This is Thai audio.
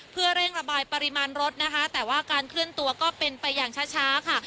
เพื่อเร่งระบายปริมาณรถนะคะแต่ว่าการเคลื่อนตัวก็เป็นไปอย่างช้าค่ะ